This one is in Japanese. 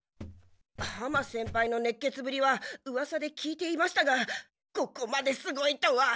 浜先輩の熱血ぶりはうわさで聞いていましたがここまですごいとは。